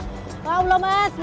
allahumma sallallahu alaihi wa sallam